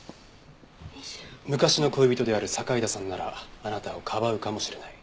昔の恋人である堺田さんならあなたを庇うかもしれない。